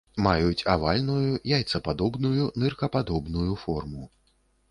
Маюць авальную, яйцападобную, ныркападобную форму.